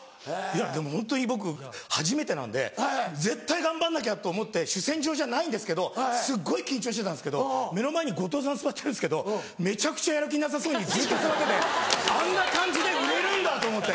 でもホントに僕初めてなんで絶対頑張んなきゃと思って主戦場じゃないんですけどすっごい緊張してたんですけど目の前に後藤さん座ってるんですけどめちゃくちゃやる気なさそうにずっと座っててあんな感じで売れるんだと思って。